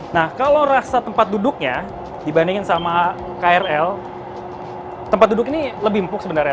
nah kalau rasa tempat duduknya dibandingin sama krl tempat duduk ini lebih empuk sebenarnya